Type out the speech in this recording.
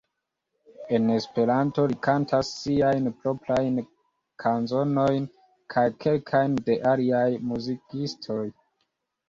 En Esperanto li kantas siajn proprajn kanzonojn kaj kelkajn de aliaj muzikistoj.